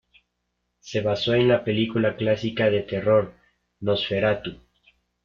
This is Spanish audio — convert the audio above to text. Se basó en la película clásica de terror Nosferatu.